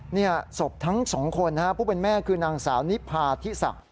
นี่ศพทั้งสองคนนะฮะผู้เป็นแม่คือนางสาวนิพาธิศักดิ์